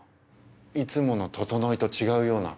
いつものととのいと違うような。